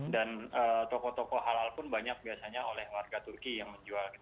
toko toko halal pun banyak biasanya oleh warga turki yang menjual